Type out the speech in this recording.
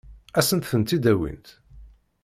Ad sen-tent-id-awint?